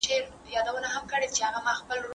پانګونه باید د کار زمینه برابره کړي.